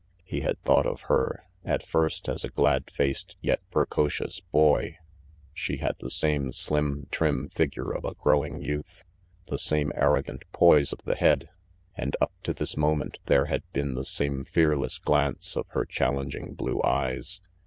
He had thought of her at first as a glad faced, yet precocious boy. She had 300 RANGY PETE the same slim, trim figure of a growing youth, the same arrogant poise of the head, and up to this moment there had been the same fearless glance of her challenging blue eyes.